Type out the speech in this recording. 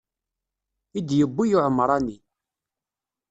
I d-yewwi uɛemṛani.